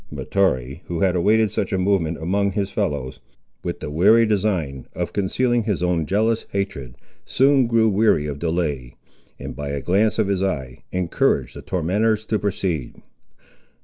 Mahtoree, who had awaited such a movement among his fellows, with the wary design of concealing his own jealous hatred, soon grew weary of delay, and, by a glance of his eye, encouraged the tormentors to proceed.